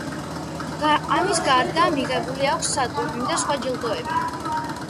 ამას გარდა, მიღებული აქვს სატურნი და სხვა ჯილდოები.